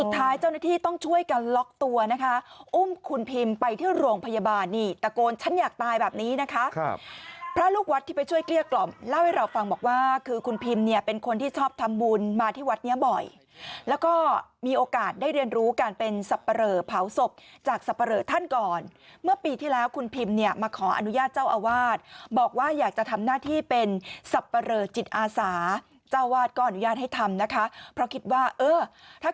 ที่ต้องช่วยกันล็อกตัวนะคะอุ้มคุณพิมไปที่โรงพยาบาลนี่ตะโกนฉันอยากตายแบบนี้นะคะครับพระลูกวัดที่ไปช่วยเกลี้ยกล่อมเล่าให้เราฟังบอกว่าคือคุณพิมเนี่ยเป็นคนที่ชอบทำบุญมาที่วัดเนี่ยบ่อยแล้วก็มีโอกาสได้เรียนรู้การเป็นสับปะเรอเผาศพจากสับปะเรอท่านก่อนเมื่อปีที่แล้วคุณพิมเนี่ยมาขออนุญาต